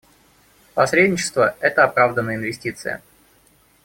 Посредничество — это оправданная инвестиция.